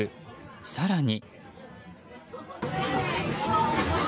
更に。